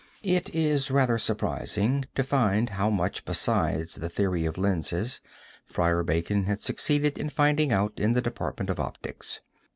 It is rather surprising to find how much besides the theory of lenses Friar Bacon had succeeded in finding out in the department of optics.